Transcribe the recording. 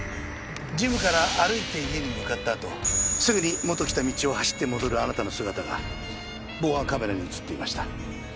ジムから歩いて家に向かったあとすぐにもと来た道を走って戻るあなたの姿が防犯カメラに映っていました。